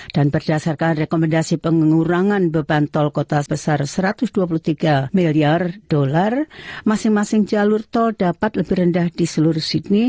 dan berdasarkan rekomendasi pengurangan beban tol kota sebesar satu ratus dua puluh tiga miliar dolar masing masing jalur tol dapat lebih rendah di seluruh sydney